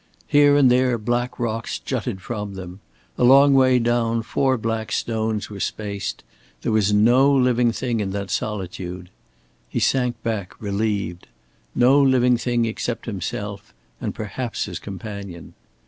Here and there black rocks jutted from them; a long way down four black stones were spaced; there was no living thing in that solitude. He sank back relieved. No living thing except himself, and perhaps his companion.